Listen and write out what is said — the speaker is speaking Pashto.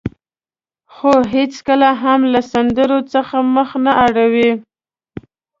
خو هېڅکله هم له سندرو څخه مخ نه اړوي.